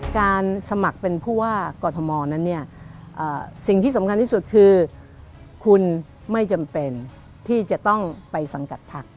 การสมัครเป็นผู้ว่ากอทมนั้นเนี่ยสิ่งที่สำคัญที่สุดคือคุณไม่จำเป็นที่จะต้องไปสังกัดพัก